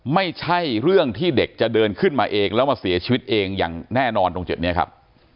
ไม่ใช่เรื่องที่เด็กจะเดินขึ้นมาเองแล้วมาเสียชีวิตเองอย่างแน่นอนตรงจุดนี้ครับ